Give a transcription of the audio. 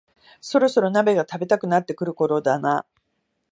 そろそろ鍋が食べたくなってくるころだな